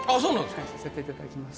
はいさせていただきます